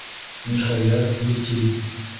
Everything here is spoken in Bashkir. Мирхәйҙәров ни ти?